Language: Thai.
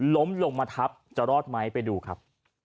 ล้มลงมาทับจะรอดไหมไปดูครับ